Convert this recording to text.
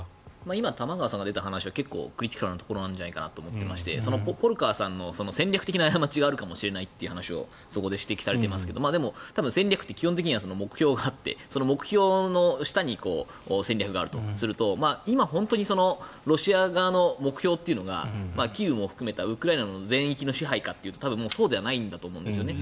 今、玉川さんから出た話はクリティカルな部分があると思うんですがポルカーさんの戦略的な過ちがあるかもしれないという話をそこで指摘されていますが戦略って基本的には目標があって目標の下に戦略があるとすると今、本当にロシア側の目標というのがキーウを含めたウクライナ全域の支配かっていうとそうではないと思うんですね。